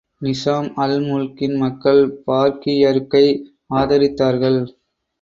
நிசாம் அல் முல்க்கின் மக்கள் பார்க்கியருக்கை ஆதரித்தார்கள்.